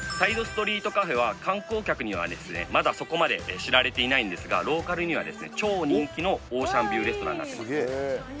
ストリートカフェは観光客にはですねまだそこまで知られていないんですがローカルにはですね超人気のオーシャンビューレストランになってます